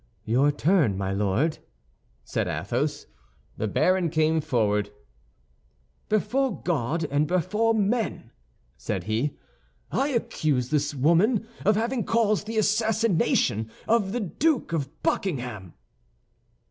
"Your turn, my Lord," said Athos. The baron came forward. "Before God and before men," said he, "I accuse this woman of having caused the assassination of the Duke of Buckingham."